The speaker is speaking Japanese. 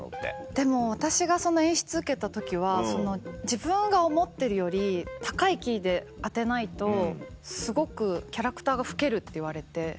でも私がその演出受けた時は自分が思ってるより高いキーで当てないとすごくキャラクターが老けるって言われて。